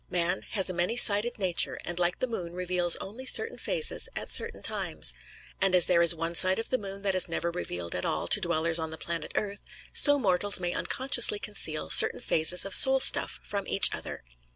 Man has a many sided nature, and like the moon reveals only certain phases at certain times. And as there is one side of the moon that is never revealed at all to dwellers on the planet Earth, so mortals may unconsciously conceal certain phases of soul stuff from each other.